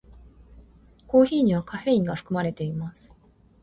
コーヒーにはカフェインが含まれています。